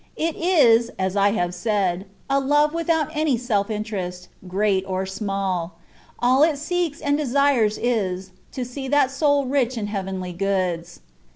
It is, as I have said, a love without any self interest, great or small — all it seeks and desires is, to see that soul rich in heavenly goods.